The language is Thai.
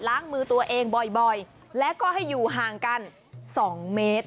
ล้างมือตัวเองบ่อยและก็ให้อยู่ห่างกัน๒เมตร